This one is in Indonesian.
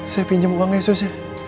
saya pinjam uangnya sus